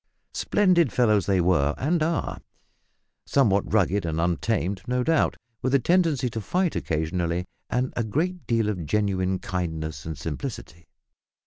Splendid fellows they were, and are; somewhat rugged and untamed, no doubt, with a tendency to fight occasionally, and a great deal of genuine kindness and simplicity.